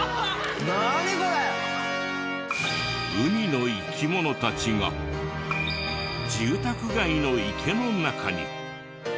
海の生き物たちが住宅街の池の中に。